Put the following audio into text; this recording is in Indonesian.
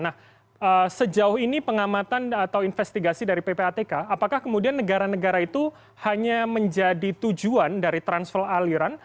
nah sejauh ini pengamatan atau investigasi dari ppatk apakah kemudian negara negara itu hanya menjadi tujuan dari transfer aliran